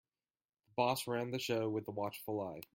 The boss ran the show with a watchful eye.